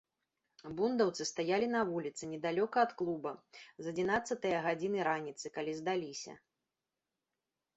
Бундаўцы стаялі на вуліцы, недалёка ад клуба, з адзінаццатае гадзіны раніцы, калі здаліся.